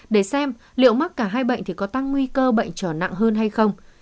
để xem liệu mắc cả hai bệnh thì có tăng nguy cơ bệnh trở nặng hơn hay không